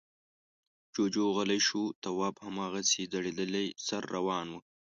جُوجُو غلی شو. تواب هماغسې ځړېدلی سر روان و.